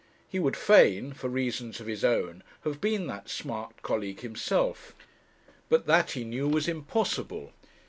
He would fain, for reasons of his own, have been that smart colleague himself; but that he knew was impossible.